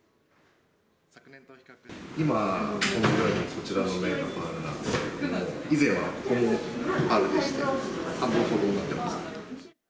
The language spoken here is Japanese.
今、このようにこちらの面がパールなんですけれども、以前はここもパールでして、半分ほどになってます。